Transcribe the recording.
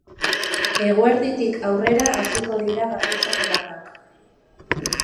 Eguerditik aurrera hasiko dira garbitzeko lanak.